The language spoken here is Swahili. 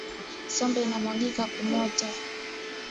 Sombe ina mwangika ku moto